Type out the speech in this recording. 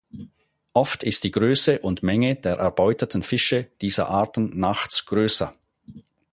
Oft ist die Größe und Menge der erbeuteten Fische dieser Arten nachts größer.